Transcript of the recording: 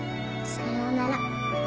さようなら。